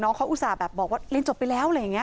เขาอุตส่าห์แบบบอกว่าเรียนจบไปแล้วอะไรอย่างนี้